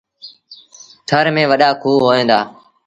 ٿر ميݩ وڏآ کوه هوئيݩ دآ۔